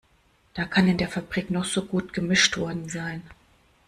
Da kann in der Fabrik noch so gut gemischt worden sein.